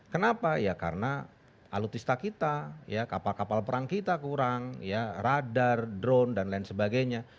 kenapa ya karena alutista kita kapal kapal perang kita kurang radar drone dan lain sebagainya